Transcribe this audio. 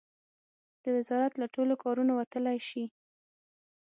د وزارت له ټولو کارونو وتلای شي.